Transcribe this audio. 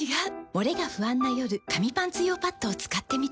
モレが不安な夜紙パンツ用パッドを使ってみた。